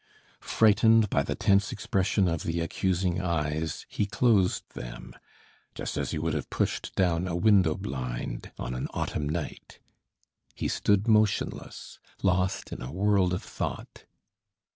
Frightened by the tense expression of the accusing eyes, he closed them, just as he would have pushed down a window blind on an autumn night. He stood motionless, lost in a world of thought.